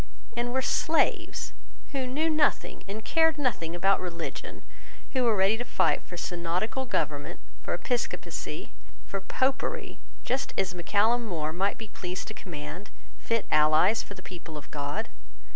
And were slaves who knew nothing and cared nothing about religion, who were ready to fight for synodical government, for Episcopacy, for Popery, just as Mac Callum More might be pleased to command, fit allies for the people of God?